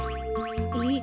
えっ？